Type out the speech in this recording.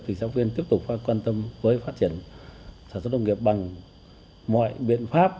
thì thị xã phổ yên tiếp tục quan tâm với phát triển sản xuất công nghiệp bằng mọi biện pháp